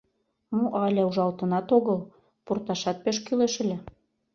— Мо, але ужалтынат огыл, пурташат пеш кӱлеш ыле.